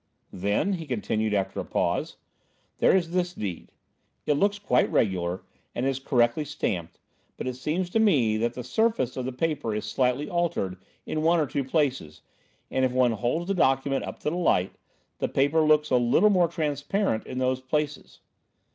"Then," he continued, after a pause, "there is this deed. It looks quite regular and is correctly stamped, but it seems to me that the surface of the paper is slightly altered in one or two places and if one holds the document up to the light, the paper looks a little more transparent in those places."